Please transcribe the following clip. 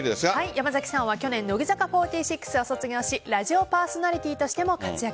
山崎さんは去年、乃木坂４６を卒業しラジオパーソナリティーとしても活躍。